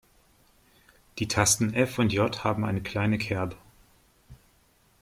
Die Tasten F und J haben eine kleine Kerbe.